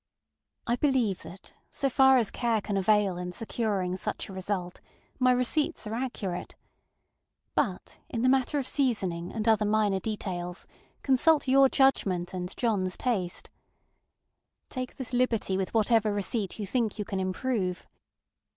I believe that, so far as care can avail in securing such a result, my receipts are accurate. But in the matter of seasoning and other minor details, consult your judgment and JohnŌĆÖs taste. Take this liberty with whatever receipt you think you can improve.